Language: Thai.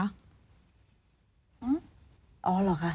อ๋อเหรอคะ